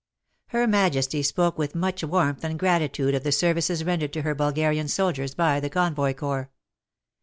Her Majesty spoke with much warmth and gratitude of the services rendered to her Bulgarian soldiers by the Convoy Corps.